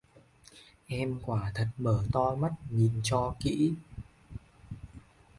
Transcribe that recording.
em quả thật mở to mắt nhìn cho kĩ